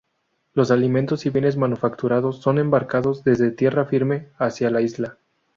Los alimentos y bienes manufacturados son embarcados desde tierra firme hacia la isla.